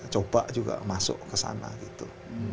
coba juga masuk kesana gitu